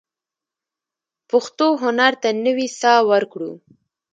پښتو هنر ته نوې ساه ورکړو.